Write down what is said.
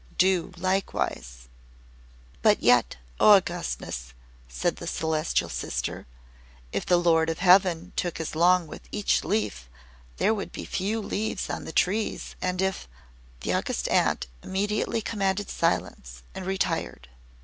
Do likewise!" "But yet, O Augustness!" said the Celestial Sister, "if the Lord of Heaven took as long with each leaf, there would be few leaves on the trees, and if " The August Aunt immediately commanded silence and retired.